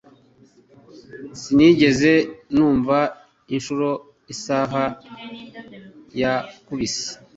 Sinigeze numva inshuro isaha yakubise